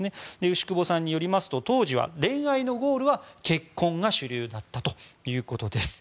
牛窪さんによりますと当時は恋愛のゴールは結婚が主流だったということです。